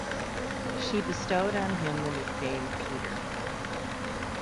She bestowed on him the nickname Peter.